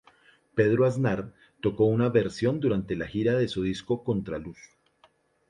Pedro Aznar toco una versión durante la gira de su disco "Contraluz".